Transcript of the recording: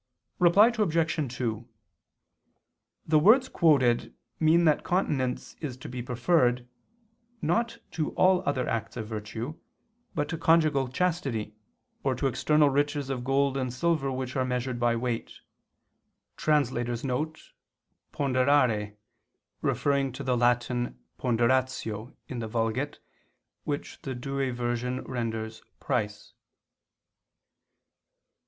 Reply Obj. 2: The words quoted mean that continence is to be preferred, not to all other acts of virtue, but to conjugal chastity, or to external riches of gold and silver which are measured by weight [*_Pondere,_ referring to the Latin ponderatio in the Vulgate, which the Douay version renders "price."